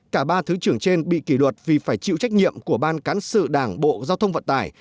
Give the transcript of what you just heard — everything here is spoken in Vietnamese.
cả ba thứ trưởng trên bị kỷ luật vì phải chịu trách nhiệm của ban cán sự đảng bộ giao thông vận tải